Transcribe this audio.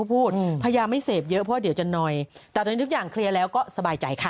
เพราะว่าเดี๋ยวจะนอยแต่ตอนนี้ทุกอย่างเคลียร์แล้วก็สบายใจค่ะ